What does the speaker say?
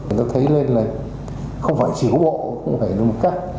nó thấy lên là không phải chỉ có bộ không phải đồng cấp